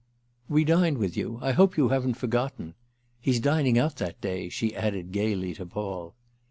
"We dine with you; I hope you haven't forgotten. He's dining out that day," she added gaily to Paul.